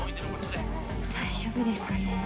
大丈夫ですかね。